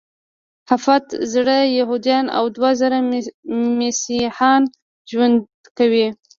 هفت زره یهودان او دوه زره مسیحیان ژوند کوي.